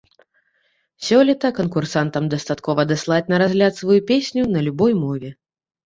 Сёлета канкурсантам дастаткова даслаць на разгляд сваю песню на любой мове.